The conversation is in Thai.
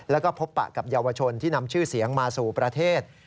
แล้วก็พบปะกับเยาวชนที่นำชื่อเสียงมาสู่ประเทศ